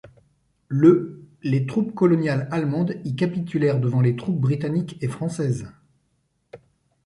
Le les troupes coloniales allemandes y capitulèrent devant les troupes britanniques et françaises.